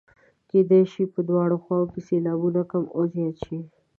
کیدلای شي په دواړو خواوو کې سېلابونه کم او زیات شي.